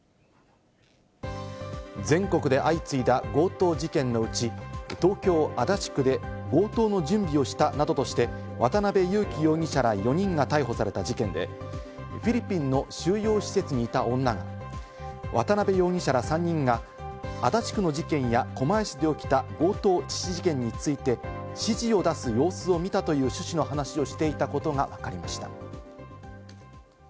全国で相次いだ強盗事件のうち、東京・足立区で強盗の準備をしたなどとして、渡辺優樹容疑者ら４人が逮捕された事件で、フィリピンの収容施設にいた女が渡辺容疑者ら３人が足立区の事件や狛江市で起きた強盗致死事件について、指示を出す様子を見たという趣旨の話をしていたことがわかりました。